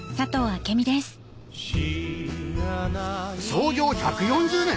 創業１４０年！